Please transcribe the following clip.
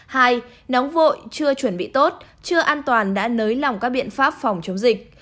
hai nóng vội chưa chuẩn bị tốt chưa an toàn đã nới lỏng các biện pháp phòng chống dịch